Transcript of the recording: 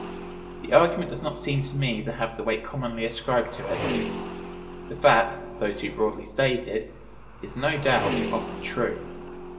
The argument does not seem to me to have the weight commonly ascribed to it. The fact, though too broadly stated, is, no doubt, often true.